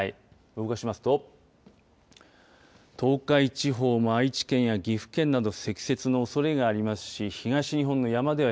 動かしますと東海地方も愛知県や岐阜県など積雪のおそれがありますし東日本の山ではあ